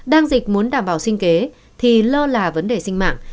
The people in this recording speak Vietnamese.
đang dịch muốn đảm bảo sinh kế thì lơ là vấn đề sinh mạng